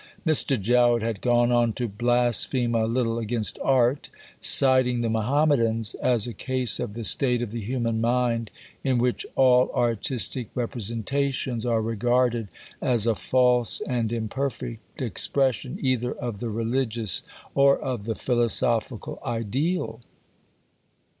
Mr. Jowett had gone on to "blaspheme" a little against Art, citing the Mahommedans as a case of the state of the human mind in which "all artistic representations are regarded as a false and imperfect expression either of the religious or of the philosophical ideal."